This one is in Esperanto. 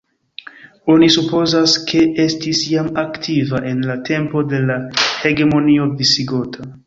Oni supozas, ke estis jam aktiva en la tempo de la hegemonio visigota.